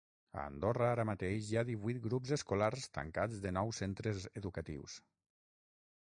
A Andorra, ara mateix hi ha divuit grups escolars tancats de nou centres educatius.